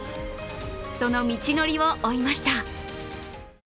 その道のりを追いました。